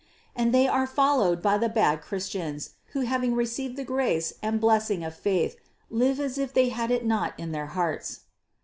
And they are followed by the bad Christians, who having re ceived the grace and blessing of faith, live as if they had it not in their hearts.